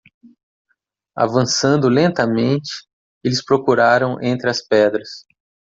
Avançando lentamente?, eles procuraram entre as pedras.